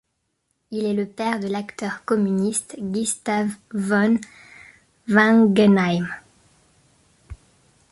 Il est le père de l'acteur communiste Gustav von Wangenheim.